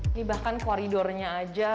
ini bahkan koridornya aja